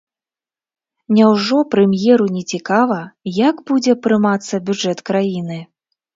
Няўжо прэм'еру нецікава, як будзе прымацца бюджэт краіны?